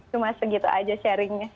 cuma segitu aja sharingnya